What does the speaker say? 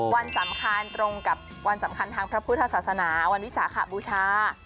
วันสำคัญตรงกับวันสำคัญทางพระพุทธศาสนาวันวิสาขบูชา